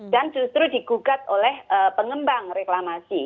dan justru di gugat oleh pengembang reklamasi